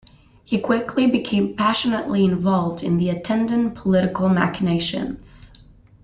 He quickly became passionately involved in the attendant political machinations.